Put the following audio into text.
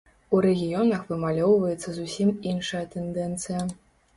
У рэгіёнах вымалёўваецца зусім іншая тэндэнцыя.